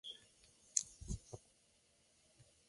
Nacida en Key West, Florida, se crió en Miami.